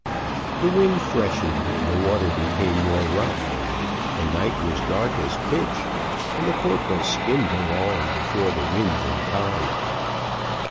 The wind freshened, and the water became more rough, the night was dark as pitch, and the corporal skimmed along before the wind and tide.